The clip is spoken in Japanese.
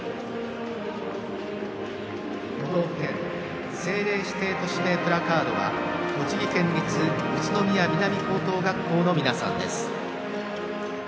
都道府県政令指定都市名プラカードは栃木県立宇都宮南高等学校の皆さんです。